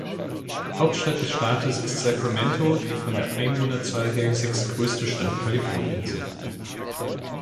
Hauptstadt des Staates ist Sacramento, die von der Einwohnerzahl her sechstgrößte Stadt Kaliforniens.